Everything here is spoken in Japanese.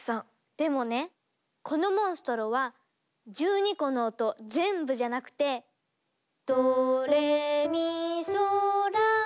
でもねこのモンストロは１２個の音全部じゃなくて「ドレミソラ」